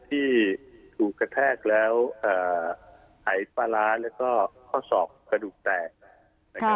ที่ถูกกระแทกแล้วหายปลาร้าแล้วก็ข้อศอกกระดูกแตกนะครับ